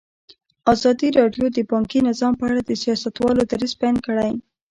ازادي راډیو د بانکي نظام په اړه د سیاستوالو دریځ بیان کړی.